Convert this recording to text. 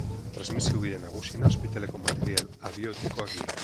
Transmisio bide nagusiena ospitaleko material abiotikoak dira.